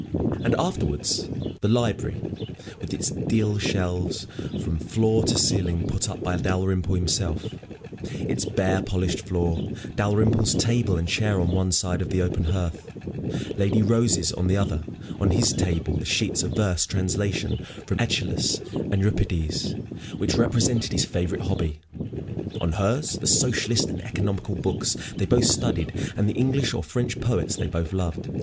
And afterwards the library, with its deal shelves from floor to ceiling put up by Dalrymple himself, its bare, polished floor, Dalrymple's table and chair on one side of the open hearth, Lady Rose's on the other; on his table the sheets of verse translation from Æschylus and Euripides, which represented his favorite hobby; on hers the socialist and economical books they both studied and the English or French poets they both loved.